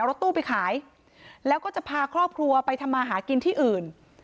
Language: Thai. รถตู้ไปขายแล้วก็จะพาครอบครัวไปทำมาหากินที่อื่น